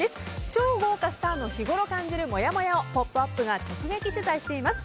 超豪華スターの日ごろ感じるもやもやを「ポップＵＰ！」が直撃取材しています。